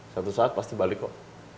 suatu saat pasti balik kok